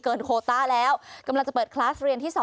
โคต้าแล้วกำลังจะเปิดคลาสเรียนที่๒